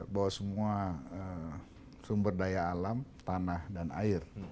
bahwa semua sumber daya alam tanah dan air